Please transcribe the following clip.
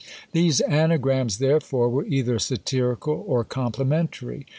These anagrams, therefore, were either satirical or complimentary.